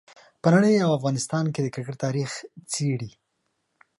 په نړۍ او افغانستان کې د کرکټ تاریخ څېړي.